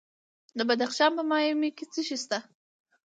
د بدخشان په مایمي کې څه شی شته؟